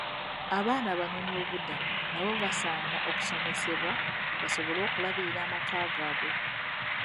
Abaana abanoonyiboobubudamu nabo basaana okusomesebwa basobole okulabirira amaka gaabwe.